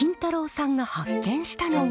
さんが発見したのが。